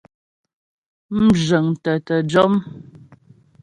Mzhə̌ŋtə tə jɔ́m.